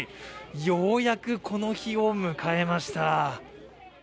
ようやくこの日を迎えました。